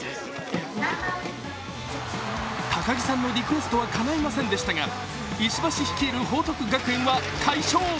高木さんのリクエストはかないませんでしたが、石橋率いる報徳学園は快勝。